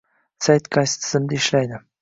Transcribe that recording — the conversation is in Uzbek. Sayt qaysi tizimda ishlaydi